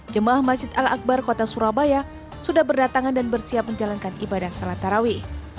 jemaah masjid al akbar kota surabaya sudah berdatangan dan bersiap menjalankan ibadah salat tarawih